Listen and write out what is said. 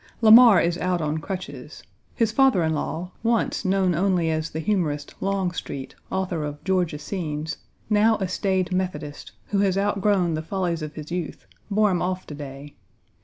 Lamar is out on crutches. His father in law, once known only as the humorist Longstreet, 1 author of Georgia Scenes, now a staid Methodist, who has outgrown the follies of his youth, bore him off to day.